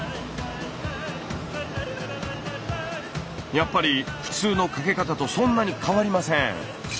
やっぱり普通のかけ方とそんなに変わりません。